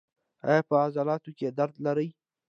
ایا په عضلاتو کې درد لرئ؟